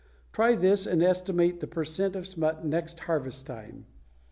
Try this and estimate the per cent of smut at next harvest time.